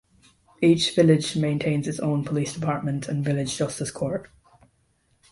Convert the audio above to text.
Each village maintains its own police department and village justice court.